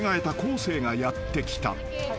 生がやって来た］